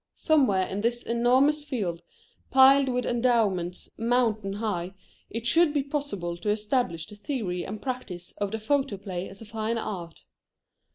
Somewhere in this enormous field, piled with endowments mountain high, it should be possible to establish the theory and practice of the photoplay as a fine art.